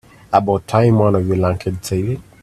About time one of you lunkheads said it.